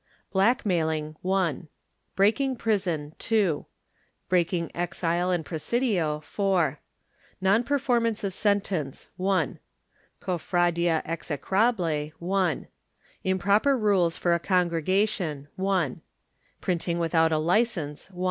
Blackmailing Breaking prison Do exile and presidio Non performance of sentence Cofradia execrable Improper rules for a Congregation Printing without licence .